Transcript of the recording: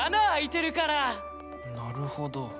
なるほど。